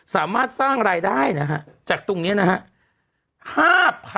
สามารถสร้างรายได้นะฮะจากตรงนี้นะฮะ